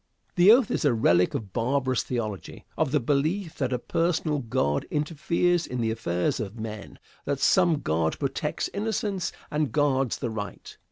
The oath is a relic of barbarous theology, of the belief that a personal God interferes in the affairs of men; that some God protects innocence and guards the right.